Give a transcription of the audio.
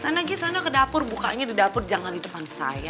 sana gi sana ke dapur bukanya di dapur jangan di depan saya